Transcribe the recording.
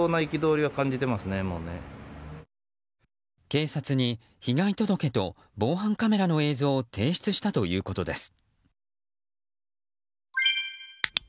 警察に、被害届と防犯カメラの映像を提出したということです。